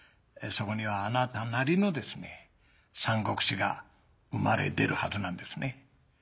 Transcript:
そこにはあなたなりの三國志が生まれ出るはずなんですね。